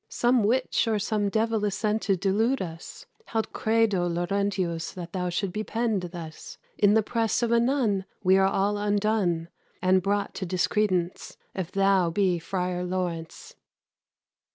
Some witch or some divell is sent to delude us: Haud credo Laurentius that thou shouldst be pen'd thus In the presse of a nun; we are all undone, And brought to discredence, if thou be Frier Laurence."